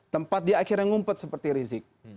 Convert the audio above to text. tempat dia akhirnya ngumpet seperti rizik